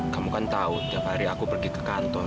kamu kan tahu tiap hari aku pergi ke kantor